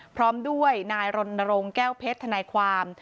พร้อมด้วยนายรณรงค์แก้วเพชรทนายความ